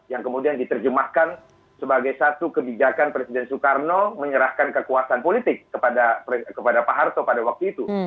yang kemudian diterjemahkan sebagai satu kebijakan presiden soekarno menyerahkan kekuasaan politik kepada pak harto pada waktu itu